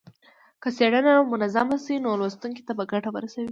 که څېړنه منظمه شي نو لوستونکو ته به ګټه ورسوي.